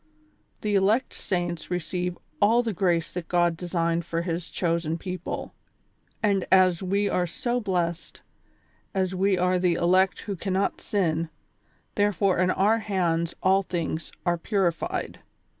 The elect saints receive all tlie grace that God designed for his chosen people, and as we are so blessed, as we are the elect 168 THE SOCIAL WAR OF 1900; OR, who cannot sin, therefore in our hands all things are pu rilied.